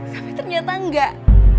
sampai ternyata enggak